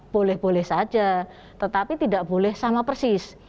boleh boleh saja tetapi tidak boleh sama persis